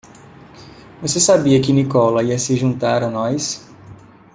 Você sabia que Nikola ia se juntar a nós?